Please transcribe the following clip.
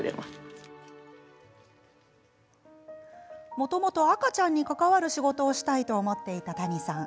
もともと赤ちゃんに関わる仕事をしたいと思っていた谷さん。